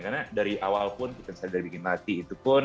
karena dari awal pun kita bisa bikin mati itu pun